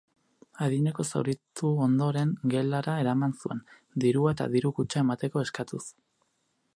Adinekoa zauritu ondoren, gelara eraman zuen, dirua eta diru-kutxa emateko eskatuz.